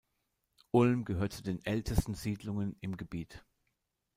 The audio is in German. Ulm gehört zu den ältesten Siedlungen im Gebiet.